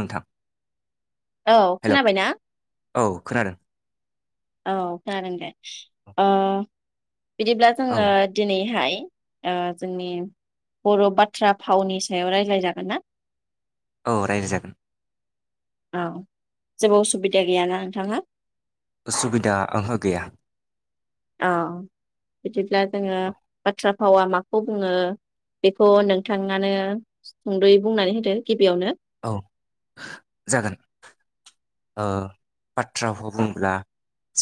नोंथां औ हेलौ खोनाबाय ना? औ खोनादों औ खोनादों दे ओ बिदिब्ला औ जोङो दिनैहाय ओ जोंनि बर' बाथ्रा फावनि सायाव रायज्लाय जागोन ना? औ राय जागोन‌। औ जेबो उसुबिदा गैयाना नोंथाङा? उसुबिदा ओंहा गैया। अ बिदिब्ला जोङो औ बाथ्रा फावा माखौ बुङो बेखौ नोंथाङानो सुंद'यै बुंनानै होदो गिबियावनो औ जागोन ओ बाथ्रा फाव बुंब्ला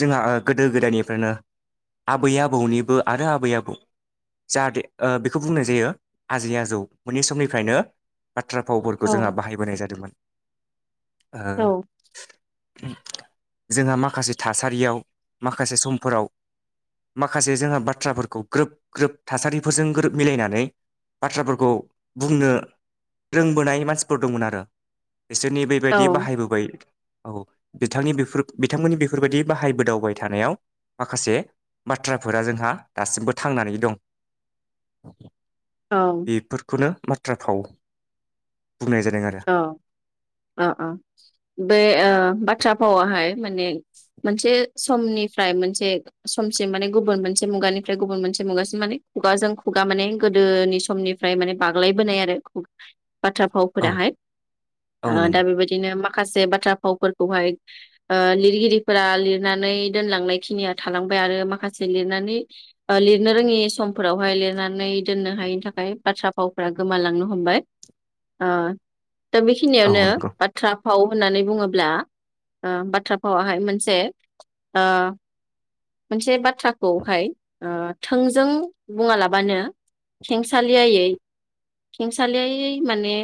जोंहा ओ गोदो गोदायनिफ्रायनो आबै आबौनिबो आरो आबै आबौ जाहाथे ओ बेखौ बुंनाय जायो आजै आजौ मोननि समनिफ्रायनो बाथ्रा फावफोरखौ औ जोंहा बाहायबोनाय जादोंमोन। औ [unintelligible] जोंहा माखासे थासारियाव माखासे समफोराव माखासे जोंहा बाथ्राफोरखौ ग्रोब ग्रोब थासारिफोरजों ग्रोब मिलायनानै बाथ्राफोरखौ बुंनो रोंबोनाय मानसिफोर दंमोन आरो बिसोरनि औ बैबायदि बाहायबोबाय औ बिथांनि बेफोर बिथांमोननि बेफोरबायदि बाहायबोदावबाय थानायाव माखासे बाथ्राफोरा जोंहा दासिमबो थांनानै दं। औ बेफोरखौनो बाथ्रा फाव बुंनाय जादों आरो औ अ अ बे ओ‌ बाथ्रा फाव आहाय मोनसे समनिफ्राय मोनसे समसिम माने गुबुन मोनसे मुगानिफ्राय गुबुन मोनसे मुगा सिम माने खुगाजों सुगा माने गोदोनि समनिफाय माने बाग्लाय बोनाय आरो बाथ्रा औ भावफोराहाय औ आ नंगौ दा बेबायदिनो मा माखासे बाथ्रा फावफोरखौहाय ओ लिरगिरिफोरा लिरनानै दोनलांनाय खिनिया थालांबाय आरो माखासे लिरनानै लिरनो रोङि समफोरावहाय लिरनानै दोननो हायिनि थाखाय बाथ्रा भाव फोरा गोमा लांनो हमबाय ओ दा औ बेखिनियावनो नंगौ बाथ्रा‌ फाव होननानै बुङोब्ला ओ‌ बाथ्रा भावाहाय मोनसे ओ मोनसे बाथ्राखौहाय ओ थोंजों बुङालाबानो खेंसालियायै खेंसालियायै माने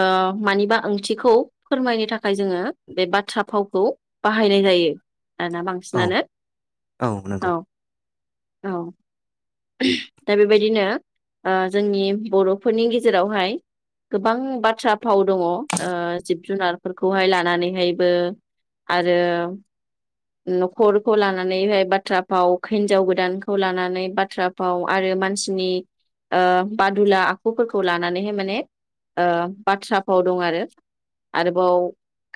ओ‌ मानिबा ओंथिखौ फोरमायनो थाखाय‌ जोङो बे बाथ्रा भावखौ बाहायनाय जायो आरोना औ बांसिनानो औ। औ दा बेबायदिनो ओ जोंनि बर'फोरनि गेजेराव हाय गोबां बाथ्रा फाव दङ ओ जिब जुनार फोरखौहाय लानानैहायबो आरो न'खरखौ लानानै हाय बाथ्रा फाव हिन्जाव गोदान खौ लानानै बाथ्रा फाव आरो मानसिनि ओ बादुला आखुफोरखौ लानानै माने ओ बाथ्रा फाव दं आरो आरोबाव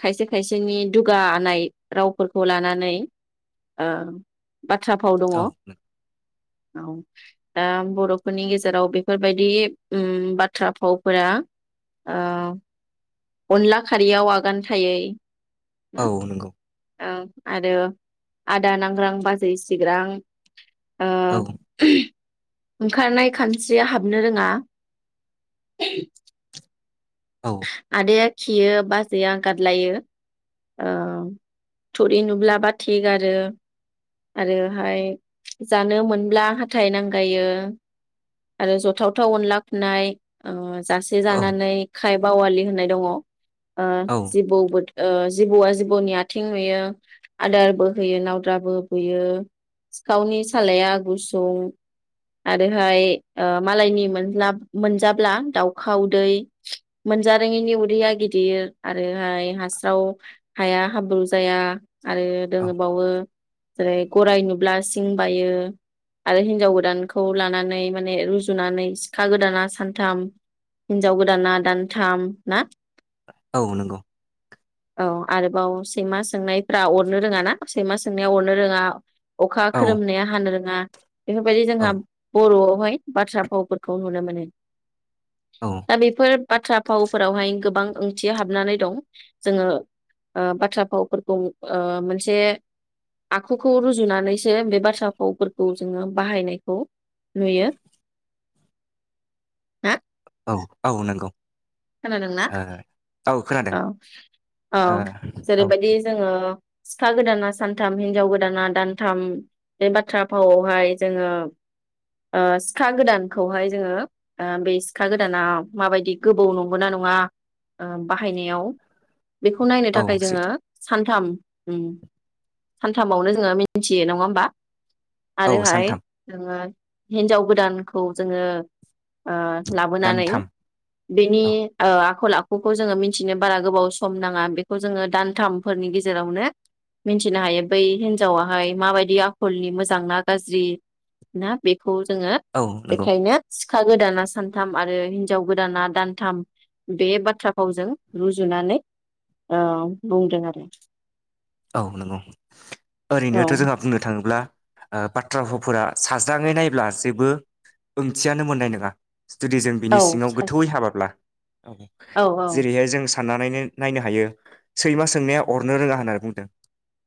खायसे खायसेनि दुगानाय रावफोरखौ लानानै ओ बाथ्रा फाव दङ। औ दा बर'फोरनि गेजेराव बेफोरबायदि उम बाथ्रा फावफोरा ओ अनला खारियाव आगान थायै। औ नंगौ। ओं आरो आदा नांग्रां बाजै सिग्रां। ओ औ ओंखारनाय खानस्रिया हाबनो रोङा। औ आदाया खियो बाजैया गादलायनो ओ थुरि नुब्ला बाथि गारो आरो हाय जानो मोनब्ला हाथाय नांगायो आरो जथाव थाव अनला खुनाय अ जासे औ जानानै खाइ बावालि होननाय दङ। आ औ जिबौ ओ जिबौआ जिबौनि आथिं नुयो आदारबो होयो नावद्राबो बुयो सिखावनि सालाया गुसुं आरोहाय ओ मालायनि [unintelligible] मोनजाब्ला दावखा उदै। मोनजारोङिनि उदैया गिदिर आरोहाय हास्राव हाया हाब्रु जाया। आरो दं बावो जेरै गराय नुब्ला सिं सिं बायो आरो हिनजाव गोदानखौ लानानै माने रुजुनानै सिखा गोदाना सानथाम हिनजाव गोदाना दानथाम ना। औ नंगौ। औ आरोबाव सैमा सोंनायफ्रा अरनो रोङा ना सैमा सोंनाया अरनो रोङा। अखा औ खोरोमनाया हानो रोङा। बेफोरबायदि औ जोंहा बर' ह'आय बाथ्रा फावफोरखौ नुनो मोनो। औ दा बेफोर बाथ्रा फावफोरावहाय गोबां ओंथि हाबनानै दं जोङो ओ बाथ्रा फावफोरखौ ओ मोनसे आखुखौ रुजुनानैसो बे बाथ्रा फावफोरखौ जोङो बाहायनायखौ नुयो। हा औ औ नोंगौ। खोनादोंना खोनादों औ औ ओ औ जेरैबायदि जोङो सिखा गोदाना सानथाम हिनजाव गोदाना दानथाम बे बाथ्रा फावआवहाय जोङो ओ सिखा गोदानखौहाय जोङो ओ बे सिखा गोदाना माबायदि गोबौ नंगौ ना नङा ओ बाहायनायाव बेखौ नायनो औ थाखाय जोङो सैथो सान थाम सानथामावनो जोङो मिन्थियो नङा होमबा। औ आरोहाय सानथाम नोङो हिनजाव गोदानखौ जोङो ओ लाबोनानै दानथाम बेनि औ ओ आखल आखुखौ जोङो मिन्थिनो बारा गोबाव सम नाङा बेखौ जोङो दानथामफोरनि गेजेरावनो मिन्थिनो हायो बै हिनजावाहाय माबायदि आखलनि मोजां ना गाज्रि ना बे खौ जोङो औ नंगौ बेखायनो सि खा गोदाना सानथाम आरो हिनजाव गोदाना दानथाम बे बाथ्रा फावजों रुजुनानै ओ बुंदों आरो औ नंगौ औ ओरैनोथ जोंहा बुंनो थाङोब्ला ओ बाथ्रा भावफोरा साज्राङै नायब्ला जेबो ओंथियानो मोननाय नोङा जुदि जों औ बिनि सिङाव गोथौयै हाबाब्ला औ जेरैहाय जों साननानैनो नायनो हायो सैमा सोंनाया अरनो रोङा होनना बु दों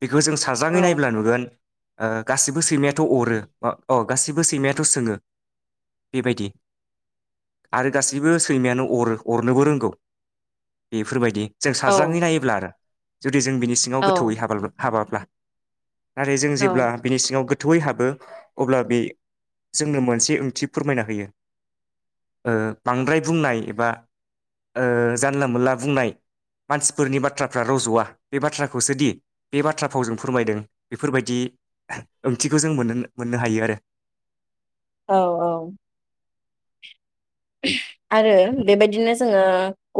बेखौ जों साज्राङै नायब्ला नुगोन ओ गासैबो सैमायाथ अरो अ अ गासैबो सैमायाथ सोङो बेबायदि आरो गासैबो सैमायानो अरो अरनोबो रोंगौ बेफोरबायदि जों साज्राङै औ नायोब्ला आरो जुदि जों बिनि औ सिङाव थौयै [unintelligible] हाबाब्ला नाथाय जों जेब्ला औ बेनि सिङाव गोद थौयै हाबो अब्ला बे जोंनो मोनसे ओंथि फोरमायना होयो ओ बांद्राय बुंनाय एबा ओ जानला मोनला बुंनाय मानसिफोरनि बाथ्राफ्रा रज'वा बे बाथ्रा खौसोदि बे बाथ्रा फावजों फोरमायदों बेफोरबायदि ओंथिखौ जों मोनोनो मोननो हायो आरो औ औ [unintelligible] आरो बेबायदिनो जोङो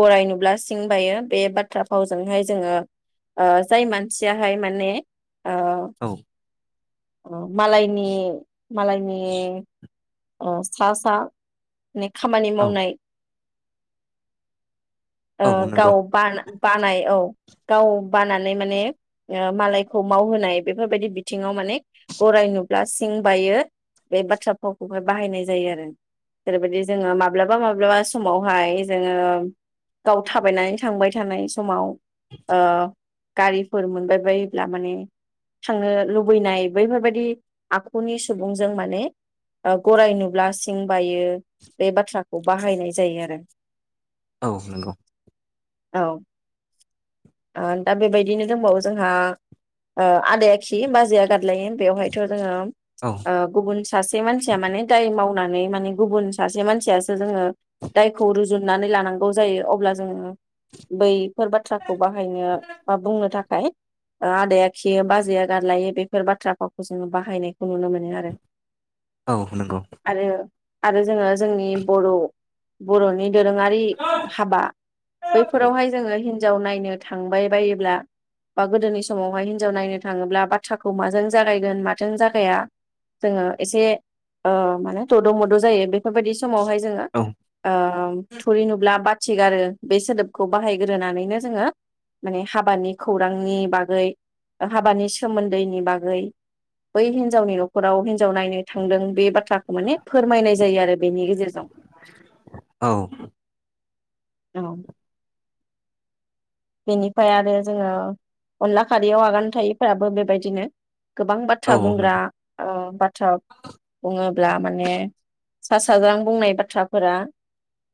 गराय नुब्ला सिं बायो बे बाथ्रा फावजोंहाय जोङो ओ जाय मानसियाहाय माने औ औ मालायनि मालायनि अ सासा ने खामानि औ मावनाय ओ औ नंगौ गाव बाना बानाय औ गाव बानानै माने ओ मालायखौ मावहोनाय बेफोरबायदि बिथिङाव माने गराय नुब्ला सिं बायो बे बाथ्रा फाव खौहाय बाहायनाय जायो आरो जेरैबायदि जोङो माब्लाबा माब्लाबा समावहाय जोङो गाव थाबायनानै थांबाय थानाय समाव ओ गारिफोर मोनबाय बायोब्ला माने थांनो लुबैनाय बैफोरबायाददि आखुनि सुबुंजों माने ओ गराइ नुब्ला सिं बायो बे बाथ्राखौ बाहायनाय जायो आरो औ नंगौ औ ओ दा बेबायदिनो दंबावो जोंहा ओ आदाय खि बाजैया गाद लायो बेयावहायथ जोंङो औ ओ गुबुन सासे मानसि मान दाय मावना नि माने गुबुन सासे मानसियासो जोंङो दायखौ रुजुननानै लानांगौ जायो अब्ला जोंङो बैफोर बाथ्रा बाहायनो बा बुंनो थाखाय ओ आदाया खियो बाजैया गारलायो बेफोर बाथ्राफावखौ जोंङो बाहायनायखौ नुनो मोनो आरो औ नंगौ आरो आरो जोंङो जोंनि बर बरनि दोरोंङारि हाबा बैफोरावहाय जोंङो हि जावनाय नायनो थांबाय बायोब्ला बा गोदोनि समावहाय हिन्जाव नायनो थांङोब्ला बाथ्राखौ माजों जागायगोन माथों जागाया जोंङो एसे ओ माने थद मद जायो बे बेफोरबायदि समावहाय जोंङो औ ओम थुरि नुब्ला बाथ थिगारो आरो बे सोदोबखौ बाहायग्रोनानैनो जोंङो माने हाबानि खौरांनि बागै हाबानि सोमोन्दैनि बागै बै हिनजावनि नखराव हिज जाव नायनो थांदों बे बाथ्राखौ माने फोरमायनाय जायो आरो बेनि गेजेरजों औ औ [unintelligible] बेनिफ्राय आरो जोंङो अनला खारैयाव आगान थायैफोराबो बेबायदिनो गोबां बाथ्रा बुंग्रा नंगौ ओ बाथ्रा बुंङो ब्ला माने सा साज्रां बुंनाय बाथ्राफोरा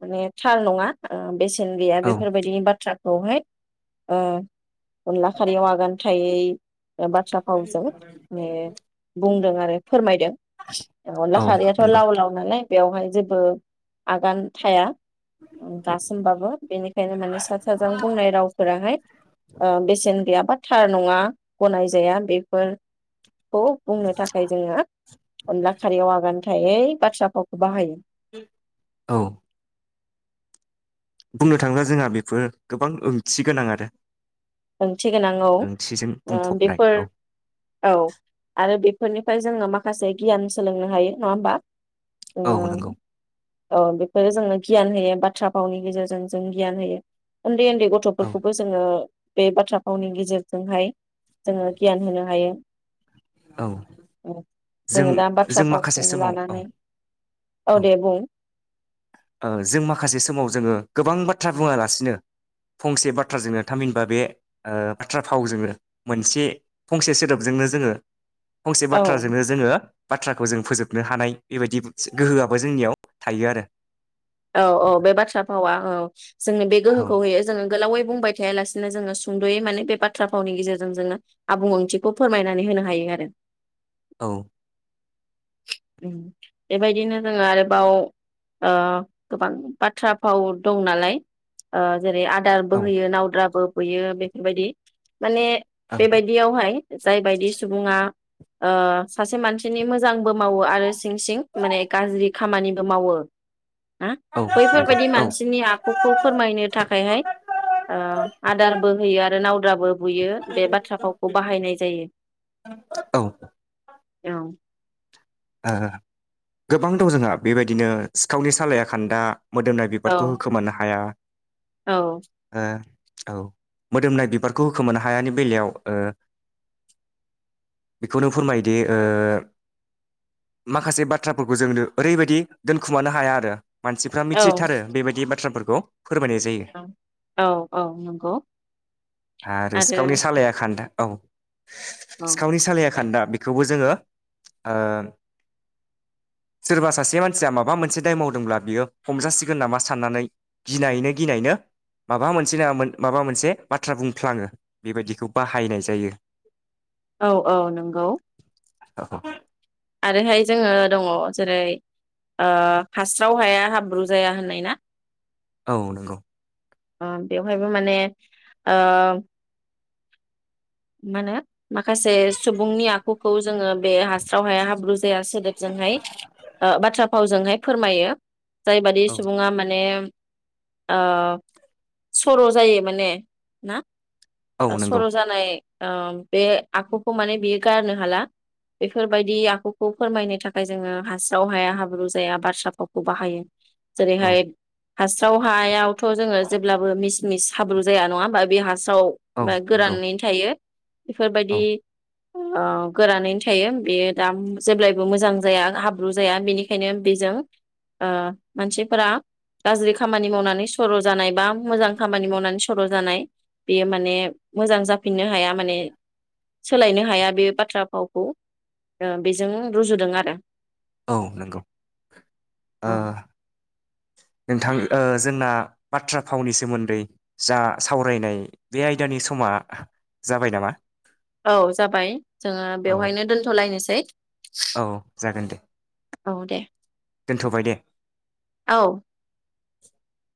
माने थार नंङा ओ बेस सेेन गैया औ बेफोरबायदिनि बाथ्रा औहाय औ अनला खारि आगोन थ थायै बाथ्रा फावजों माने बुं दं आरो। फोरमायदों अनला औ खारैयाथ नंगौ लाव लाव नालाय। बेवहाय जेबो आगान थाया। गासोमबाबो बेनिखायनो माने बुंनाय रावफोराहाय बेसेन गैया। गाबा थार नंङा गनाय जाया बेफोर। बाथ्राखौ बुंनो थाखाय जोंङो अनला खारैयाव आगान थायै। बाथ्रा फावखौ बाहायो। औ। बुंनो थांङोब्ला जोंहा बेफोर गोबां ओंथि गोनां आरो। ओंथि गोनां औ ओंथिजों बुंफबनाय बेफोर औ औ आरो बे बे फोरनिफ्राय जोङो माखासे गियान सोलोंनो हायो नङा होमबा ओ औ नंगौ औ बेफोरो जोङो गियान होयो बाथ्रा फावनि गेजेरजों जों गियान होयो उन्दै उन्दै औ गथफोरखौबो जोङो बे बाथ्रा फावनि गेजेरजोंहाय जोङो गियान होनो हायो औ उम जों जोङो दा बाथ्रा जों फावखौ माखासे समाव औ लानानै औ दे बुं औ जों माखासे समाव जोङो गोबां बाथ्रा बुङालासिनो फंसे बाथ्राजोंनो थामहिनबा बे बाथ्रा फावजोंनो मोनसे फंसे सोदोबजोंनो जोङो फंसे औ बाथ्राजोंनो जोङो बाथ्राखौ जों फोजोबनो हानाय बेबायदि गोहोआबो जोंनियाव थायो आरो औ औ बे बाथ्रा फावा औ जोंनो बे आरो गोहोखौ होयो जोङो गोलावै बुंबाय थायालासिनो जोङो सुंदयै माने बे बाथ्रा फावनि गेजेरजों जोङो आबुं ओंथिखौ फोरमायनानै होनो हायो आरो औ बेबायदिनो जोङो आरोबाव गोबां बाथ्रा फाव दं नालाय जेरै औ आदारबो होयो नावद्राबो बुयो बेफोरबायदि माने औ बेबायदियावहाय जायबायदि सुबुङा ओ सासे मानसिनि मोजांबो मावो आरो सिं सिं माने गाज्रि खामानिबो मावो हा औ नंगौ बैफोरबायदि औ मानसिनि आखुखौ फोरमायनो थाखायहाय आदारबो होयो आरो नावद्राबो बुयो बे बाथ्रा फावखौ बाहायनाय जायो। औ ओ औ ओ गोबां दं जोंहा बेबायदिनो सिखावनि सालाया खान्दा मोदोमनाय बिबारखौ होखोमानो हाया औ ओ औ मोदोमनाय बिबारखौ होखोमानो हायानि बेलायाव ओ बेखौनो फोरमायदि माखासे बाथ्राफोरखौ जोंनो ओरैबायदि दोनखुमानो हाया आरो मानसिफ्रा औ मिथिथारो बेबायदि बाथ्राफोर [unintelligible] फोरमायनाय जायो औ औ औ नंगौ आरो सिखावनि सालाया खान्दा औ औ सिखावनि सालाया खान्दा बेखौबो जोङो ओ सोरबा सासे मानसिया माबा मोनसे दाय मावदोंब्ला बियो हमजासिगोन नामा साननानै गिनायैनो गिनायैनो माबा मोनसे नंया माबा मोनसे बाथ्रा बुंफ्लाङो बेबायदिखौ बाहायनाय जायो। औ औ नंगौ औ आरोहाय जोङो दङ जेरै ओ हास्राव हाया हाब्रु जाया होननाय ना औ नंगौ ओ बेवहायबो माने ओ मा होनो माखासे सुबुंनि आखुखौ जोङो बे हास्राव हाया हाब्रु जाया सोदोबजोंहाय ओ बाथ्रा फावजोंहाय फोरमायो जाइबादि सुबुङा माने ओ सर' जायो माने ना औ नंगौ सर' जानाय ओ बे आखुखौ माने बियो गारनो हाला बेफोरबायदि आखुखौ फोरमायनो थाखाय जोङो हास्राव हाया हाब्रु जाया बाथ्रा फावखौ बाहायो जेरै औ हाय हास्राव हायाव थ' जोङो जेब्लाबो मि मिस हाब्रु जाया नङा होनबा बे फासाव औ बा नंगौ गोरानैनो थायो औ बेफोरबायदि ओ गोरानैनो थायो बेयो दा जेब्लायबो मोजां जाया हाब्रु जाया बेनिखायनो बेजों ओ मानसिफोरा गाज्रि खामानि मावनानै सर' जानाय बा मोजां खामानि मावनानै सर' जानाय बेयो माने मोजां जाफिननो हाया। माने सोलायनो हाया बे बाथ्रा फावखौ ओ बेजों रुजुदों आरो औ नंगौ ओ नोंथां जों ना बाथ्रा फावनि सोमोन्दै जा सावरायनाय बे आयदानि समा जाबाय नामा औ जाबाय जोङो औ बेवहायनो दोनथ'लायनोसै औ जागोन दे औ दे दोनथ'बाय दे औ [inaudible]